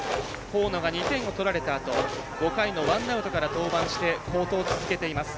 河野が２点を取られたあと５回のワンアウトから登板して好投を続けています